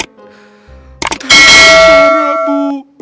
tidak ada masalah bu